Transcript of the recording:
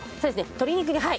鶏肉にはい。